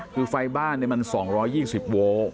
คือไฟบ้านมัน๒๒๐โวลต์